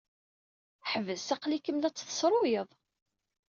Ḥbes! Aql-ikem la tt-tessruyeḍ.